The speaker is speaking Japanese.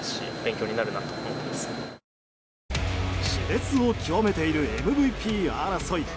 熾烈を極めているＭＶＰ争い。